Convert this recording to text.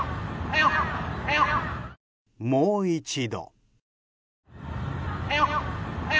もう一度。